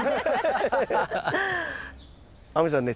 亜美さんね